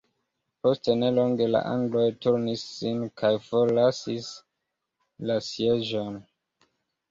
Post nelonge la angloj turnis sin kaj forlasis la sieĝon.